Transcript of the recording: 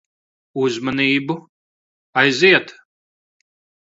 Uzmanību. Aiziet.